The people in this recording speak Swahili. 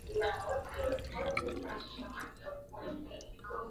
Miungano ya mifereji ya maji taka ya umma